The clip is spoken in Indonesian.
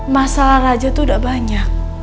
masalah raja itu udah banyak